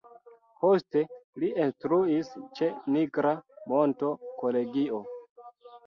Poste li instruis ĉe Nigra Monto Kolegio.